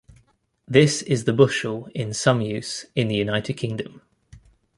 This is the bushel in some use in the United Kingdom.